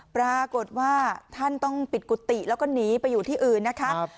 ปรากฏว่าท่านต้องปิดกุฏิแล้วก็หนีไปอยู่ที่อื่นนะคะ